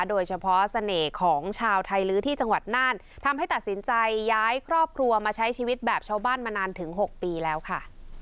โดยเฉพาะเสน่ห์ของชาวไทยลื้อที่จังหวัดน่านทำให้ตัดสินใจย้ายครอบครัวมาใช้ชีวิตแบบชาวบ้านมานานถึง๖ปีแล้วค่ะ